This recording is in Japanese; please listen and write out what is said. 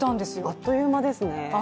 あっという間ですね。